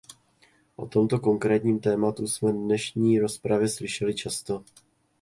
O tomto konkrétním tématu jsme v dnešní rozpravě slyšeli často.